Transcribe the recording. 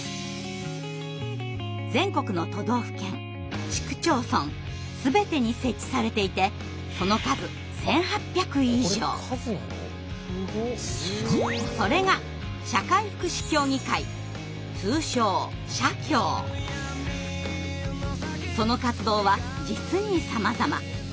全国の都道府県市区町村全てに設置されていてその数それがその活動は実にさまざま。